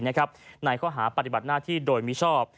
ในข้อหาปฏิบัติหน้าที่โดยมิชอบ